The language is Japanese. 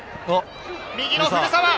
右の古澤！